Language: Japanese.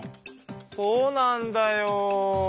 そうなんだよ。